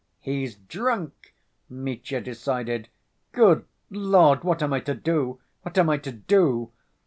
"He's drunk," Mitya decided. "Good Lord! What am I to do? What am I to do?"